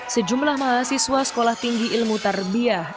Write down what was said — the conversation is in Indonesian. sejumlah mahasiswa sekolah tinggi ilmu tarbiah